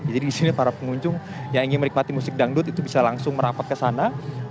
jadi di sini para pengunjung yang ingin menikmati musik dangdut itu bisa langsung merapat ke sana